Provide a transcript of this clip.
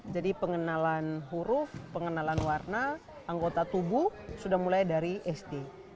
jadi pengenalan huruf pengenalan warna anggota tubuh sudah mulai dari sd